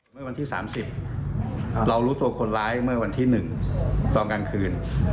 เมื่อวันที่๓๐เรารู้ตัวคนร้ายเมื่อวันที่๑ตอนกลางคืน